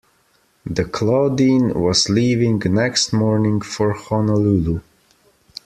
The Claudine was leaving next morning for Honolulu.